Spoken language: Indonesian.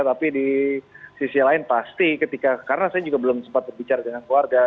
tapi di sisi lain pasti ketika karena saya juga belum sempat berbicara dengan keluarga